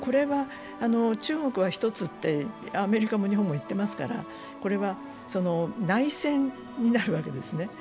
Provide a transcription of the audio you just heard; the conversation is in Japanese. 中国は一つって、アメリカも日本も言ってますから、これは内戦になるわけですね。